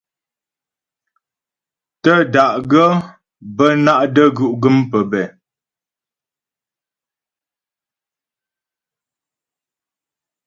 Tə́da'gaə́ bə́ ná’ də́gú' gə́m pəbɛ̂.